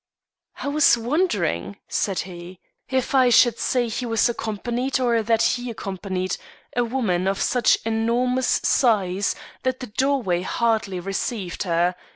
"I was wondering," said he, "if I should say he was accompanied, or that he accompanied, a woman, of such enormous size that the doorway hardly received her.